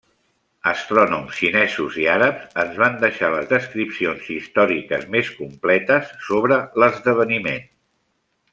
Astrònoms xinesos i àrabs ens van deixar les descripcions històriques més completes sobre l'esdeveniment.